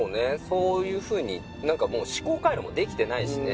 そういうふうに何かもう思考回路もできてないしね